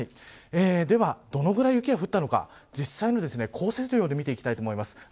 では、どのぐらい雪が降ったのか実際の降雪量で見ていきます。